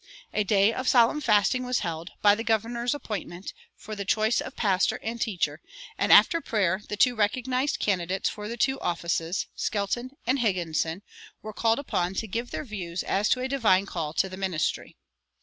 A day of solemn fasting was held, by the governor's appointment, for the choice of pastor and teacher, and after prayer the two recognized candidates for the two offices, Skelton and Higginson, were called upon to give their views as to a divine call to the ministry.